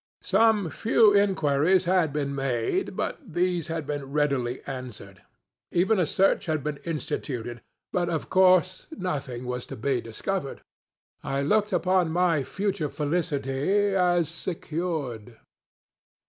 Some few inquiries had been made, but these had been readily answered. Even a search had been institutedŌĆöbut of course nothing was to be discovered. I looked upon my future felicity as secured.